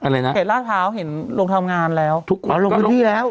เห็นราชเท้าเห็นโรงทำงานแล้วแล้วโรงพฤติแล้ว